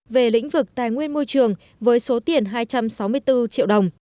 về lĩnh vực tài nguyên môi trường với số tiền hai trăm sáu mươi bốn triệu đồng